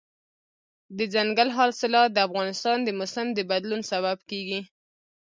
دځنګل حاصلات د افغانستان د موسم د بدلون سبب کېږي.